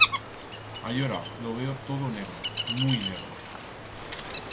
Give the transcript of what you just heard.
Allora lo veo todo negro, muit negro.